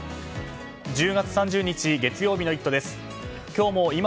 １０月３０日、月曜日の「イット！」